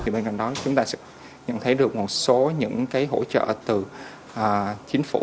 bên cạnh đó chúng ta sẽ nhận thấy được một số những hỗ trợ từ chính phủ